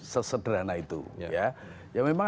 sesederhana itu ya memang